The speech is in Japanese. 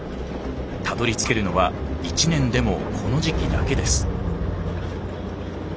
たどりつけるのは１年でもこの時期だけです。